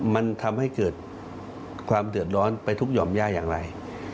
มันทำให้เกิดความเดือดร้อนไปทุกหย่อมย่าอย่างไร